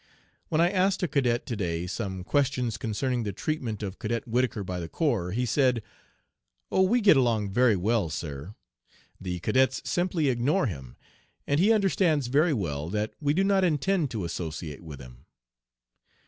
When I asked a cadet to day some questions concerning the treatment of Cadet Whittaker by the corps, he said : 'Oh, we get along very well, sir. The cadets simply ignore him, and he understands very well that we do not intend to associate with him.'